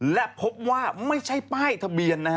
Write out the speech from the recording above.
และพบว่าไม่ใช่ป้ายทะเบียนนะฮะ